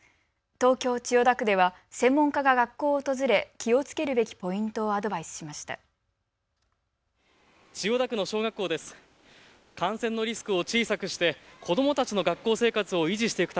東京千代田区では専門家が学校を訪れ気をつけるべきポイントをアドバイスしました。